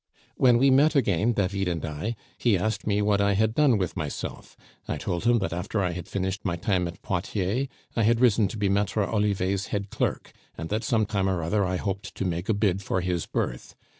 "When we met again, David and I, he asked me what I had done with myself. I told him that after I had finished my time at Poitiers, I had risen to be Maitre Olivet's head clerk, and that some time or other I hoped to make a bid for his berth.